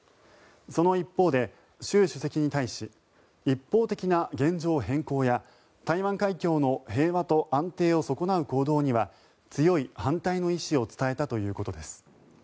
その一方で習主席に対し一方的な現状変更や台湾海峡の平和と安定を損なう行動には強い反対の意思を伝えたということです。